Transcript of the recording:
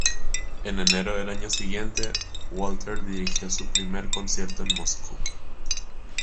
En enero del año siguiente Walter dirigió su primer concierto en Moscú.